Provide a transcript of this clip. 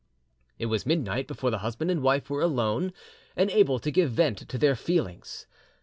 It was midnight before the husband and wife were alone and able to give vent to their feelings.